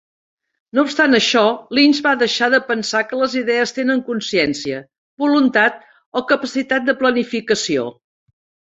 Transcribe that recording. No obstant això, Lynch va deixar de pensar que les idees tenen consciència, voluntat o capacitat de planificació.